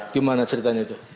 gimana ceritanya itu